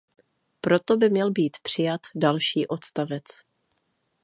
Proto by měl být přijat další odstavec.